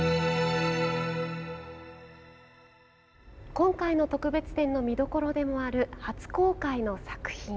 今回の特別展の見どころでもある初公開の作品。